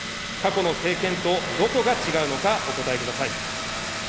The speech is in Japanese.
過去の政権とどこが違うのかお答えください。